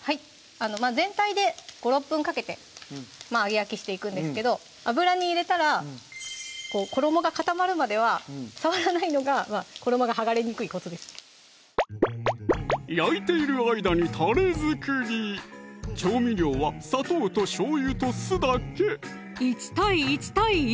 全体で５６分かけて揚げ焼きしていくんですけど油に入れたら衣が固まるまでは触らないのが衣がはがれにくいコツです焼いている間にたれ作り調味料は砂糖としょうゆと酢だけ１対１対１